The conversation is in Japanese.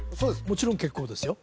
もちろん結構ですよ